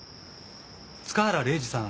塚原礼司さん